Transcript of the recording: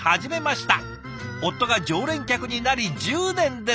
夫が常連客になり１０年です」って。